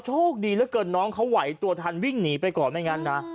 โชคดีเหลือเกินน้องเขาไหวตัวทันวิ่งหนีไปก่อนไม่งั้นนะ